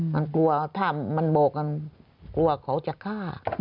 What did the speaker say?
มันกลัวถ้ามันบอกกันกลัวเขาจะฆ่า